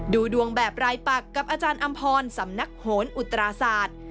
ดูดวงแบบรายปักกับอาจารย์อำพรสำนักโหนอุตราศาสตร์